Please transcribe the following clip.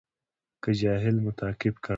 که جاهل مو تعقیب کړ.